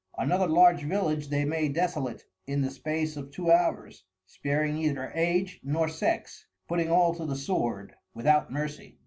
Another large Village they made desolate in the space of two hours, sparing neither Age, nor Sex, putting all to the Sword, without Mercy.